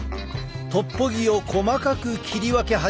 トッポギを細かく切り分け始めた！